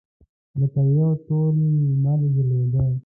لکه یو تور لمر ځلېده.